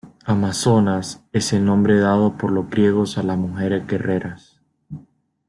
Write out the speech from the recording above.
Amazonas es el nombre dado por los griegos a las mujeres guerreras.